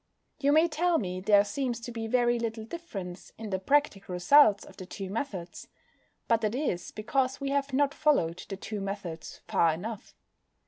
You may tell me there seems to be very little difference in the practical results of the two methods. But that is because we have not followed the two methods far enough.